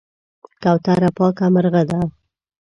کوتره پاکه مرغه ده.